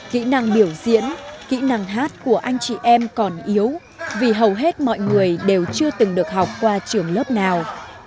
kỹ năng biểu diễn kỹ năng hát của anh chị em còn yếu vì hầu hết mọi người đều chưa từng được học qua trường lớp nào